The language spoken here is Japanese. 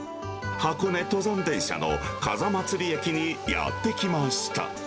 箱根登山電車の風祭駅にやって来ました。